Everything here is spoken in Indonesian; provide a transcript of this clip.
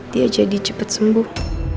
dia jadi cepat sembuh